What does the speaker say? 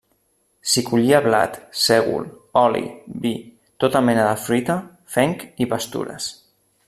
S'hi collia blat, sègol, oli, vi, tota mena de fruita, fenc i pastures.